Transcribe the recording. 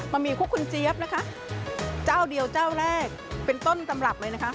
หมี่คุกคุณเจี๊ยบนะคะเจ้าเดียวเจ้าแรกเป็นต้นตำรับเลยนะคะ